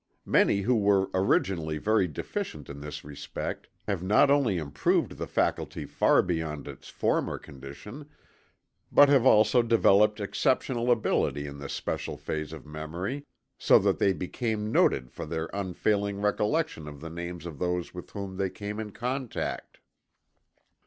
Many who were originally very deficient in this respect have not only improved the faculty far beyond its former condition, but have also developed exceptional ability in this special phase of memory so that they became noted for their unfailing recollection of the names of those with whom they came in contact.